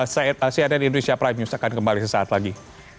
sdi indonesia prime news akan kembali sesaat lagi